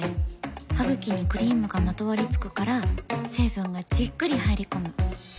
ハグキにクリームがまとわりつくから成分がじっくり入り込む。